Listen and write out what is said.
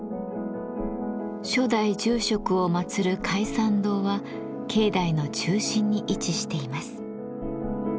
初代住職を祭る開山堂は境内の中心に位置しています。